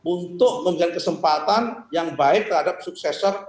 untuk memberikan kesempatan yang baik terhadap suksesor